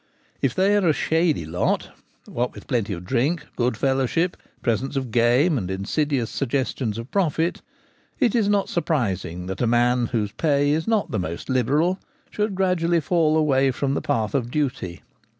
If they are a ' shady ' lot, what with plenty of drink, good fellowship, presents of game, and insidious suggestions of profit, it is not surprising that a man whose pay is not the most liberal should gradually fall away from the path of duty.